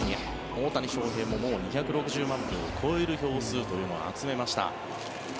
大谷翔平も２６０万票を超える票数を集めました。